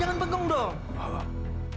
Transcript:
jangan pegang dong